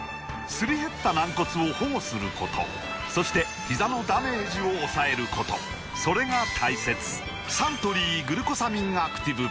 すり減った軟骨を保護することそしてひざのダメージを抑えることそれが大切サントリー「グルコサミンアクティブ」